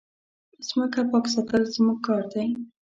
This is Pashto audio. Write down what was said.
مځکه پاک ساتل زموږ کار دی.